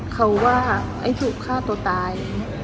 เขาว่าไอ้สุฆ่าตัวตาย